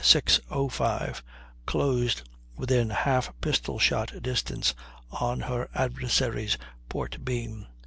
05 closed within half pistol shot distance on her adversary's port beam.